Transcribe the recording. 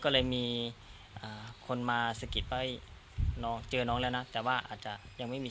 ก็เลยมีคนมาสะกิดไว้เจอน้องแล้วนะแต่ว่าอาจจะยังไม่มี